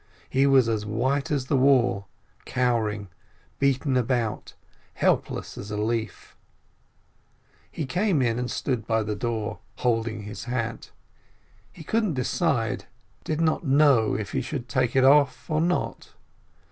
He was as white as the wall, cowering, beaten about, helpless as a leaf. 44 JEHALEL He came in, and stood by the door, holding his hat; he couldn't decide, did not know if he should take it off, or not.